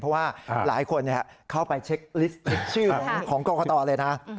เพราะว่าหลายคนเข้าไปเช็คลิสต์ชื่อของกรกตเลยนะ